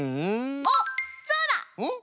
あっそうだ！んっ？